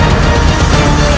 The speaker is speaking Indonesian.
yang aku inginkan